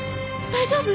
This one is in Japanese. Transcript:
大丈夫？